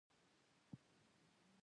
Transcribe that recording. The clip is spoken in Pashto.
د جلغوزي ګل څنګه وي؟